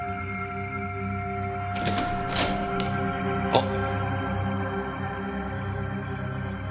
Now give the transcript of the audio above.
あっ。